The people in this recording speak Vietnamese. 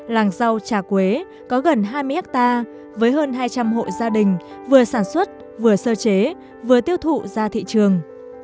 làng rau trà quế có gần hai mươi hectare với hơn hai trăm linh hộ gia đình vừa sản xuất vừa sơ chế vừa tiêu thụ ra thị trường